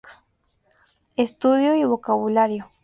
Estudio y vocabulario".